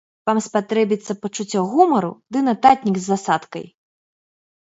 Вам спатрэбіцца пачуццё гумару ды нататнік з асадкай!